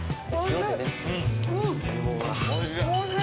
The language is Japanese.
おいしい。